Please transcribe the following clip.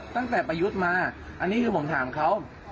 ตั้งแต่ประยุทธมาอันนี้คือผมถามเขา